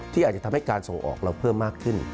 ที่อาจจะทำให้การส่งออกเราเพิ่มมากขึ้น